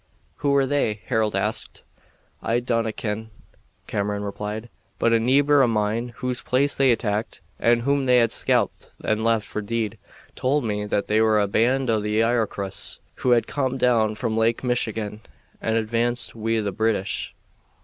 "Who were they?" Harold asked. "I dinna ken," Cameron replied; "but a neebor o' mine whose place they attacked, and whom they had scalped and left for deed, told me that they were a band o' the Iroquois who had come down from Lake Michigan and advanced wi' the British.